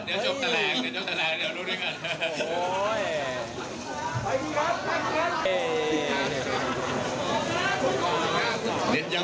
เดี๋ยวเดี๋ยวจบแสดงดูด้วยกัน